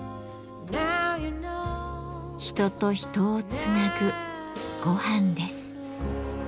人と人をつなぐごはんです。